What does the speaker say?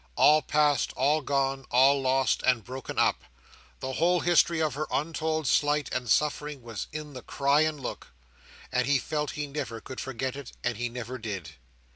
All past, all gone, all lost, and broken up! The whole history of her untold slight and suffering was in the cry and look; and he felt he never could forget it, and he never did.